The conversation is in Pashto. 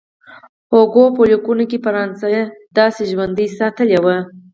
هوګو په لیکونو کې فرانسه داسې ژوندۍ ساتلې وه.